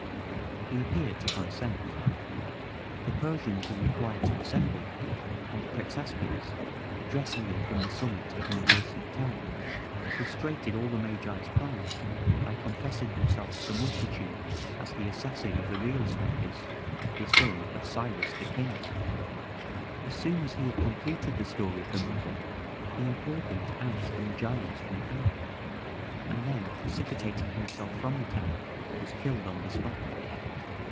He appeared to consent. The Persians were required to assemble, and Prexaspes, addressing them from the summit of an adjacent tower, frustrated all the Magi's plans by confessing himself to the multitude as the assassin of the real Smerdis, the son of Cyrus the King. As soon as he had completed the story of the murder, he implored them to oust the Magians from power, and then precipitating himself from the tower, was killed on the spot.